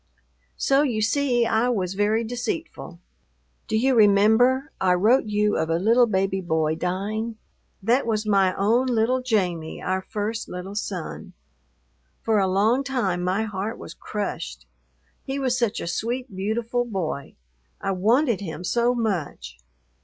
So you see I was very deceitful. Do you remember, I wrote you of a little baby boy dying? That was my own little Jamie, our first little son. For a long time my heart was crushed. He was such a sweet, beautiful boy. I wanted him so much.